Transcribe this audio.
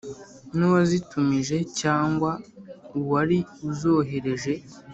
N’uwazitumije cyangwa uwari uzohereje